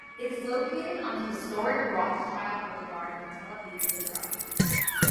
It is located on the historic Rothschild Boulevard in Tel Aviv, Israel.